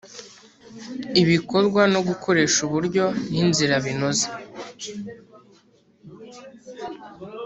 bikorwa no gukoresha uburyo n inzira binoze